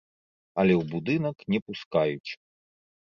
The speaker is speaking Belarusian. Але ў будынак не пускаюць.